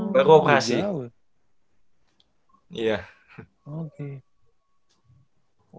baru operasi oh gitu ya iya oke